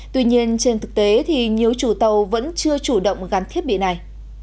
tuy nhiên trên thực tế thì nhiều chủ tàu vẫn chưa chủ động gắn thiết bị này